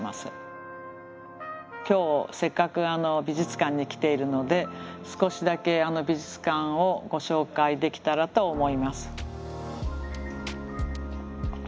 今日せっかく美術館に来ているので少しだけ美術館をご紹介できたらと思います。